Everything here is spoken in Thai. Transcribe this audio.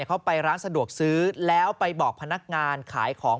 เขาไปร้านสะดวกซื้อแล้วไปบอกพนักงานขายของ